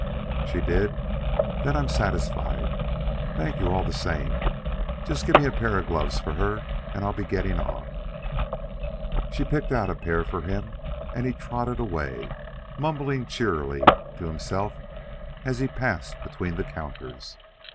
"She did! Then I'm satisfied. Thankee all the same. Just give me a pair of gloves for her, and I'll be getting on." She picked out a pair for him, and he trotted away, mumbling cheerily to himself as he passed between the counters.